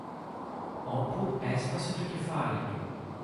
όπου έσπασε το κεφάλι του.